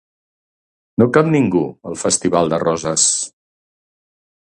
No cap ningú al festival de Roses.